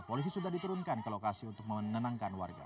polisi sudah diturunkan ke lokasi untuk menenangkan warga